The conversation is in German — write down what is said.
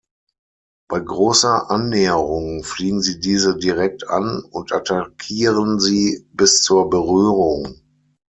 Bei großer Annäherung fliegen sie diese direkt an und attackieren sie bis zur Berührung.